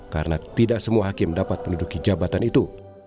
karena tidak semua hakim dapat menduduki jabatan itu